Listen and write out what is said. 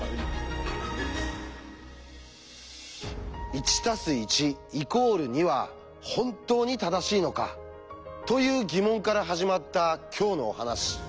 「１＋１＝２」は本当に正しいのかという疑問から始まった今日のお話。